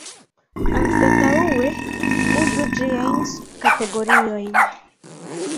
Anstataŭe uzu ĝiajn subkategoriojn.